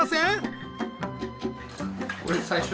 これ最初。